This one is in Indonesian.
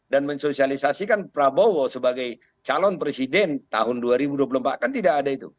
dan mensosialisasikan prabowo sebagai calon presiden tahun dua ribu dua puluh empat kan tidak ada itu